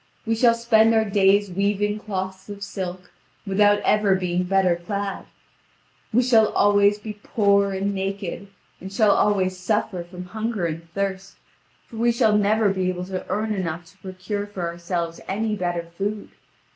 We shall spend our days weaving cloths of silk, without ever being better clad. We shall always be poor and naked, and shall always suffer from hunger and thirst, for we shall never be able to earn enough to procure for ourselves any better food.